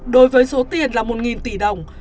đối với số tiền là một tỷ đồng